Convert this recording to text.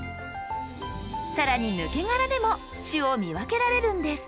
更にぬけ殻でも種を見分けられるんです。